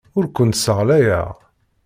Ur kent-sseɣlayeɣ.